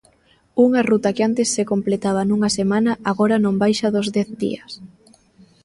Unha ruta que antes se completaba nunha semana agora non baixa dos dez días.